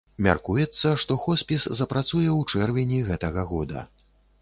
Мяркуецца, што хоспіс запрацуе ў чэрвені гэтага года.